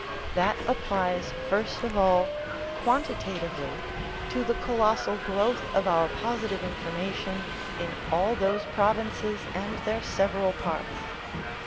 That applies first of all quanti tatively to the colossal growth of our positive informa tion in all those provinces and their several parts.